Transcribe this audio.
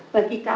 saya bisa keluar